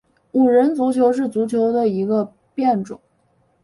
五人足球是足球的一个变种。